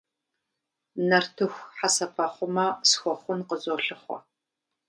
Нартыху хьэсэпэхъумэ схуэхъун къызолъыхъуэ.